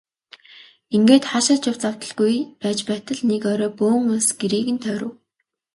Ингээд хаашаа ч явж завдалгүй байж байтал нэг орой бөөн улс гэрийг нь тойров.